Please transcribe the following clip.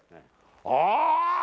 ああ！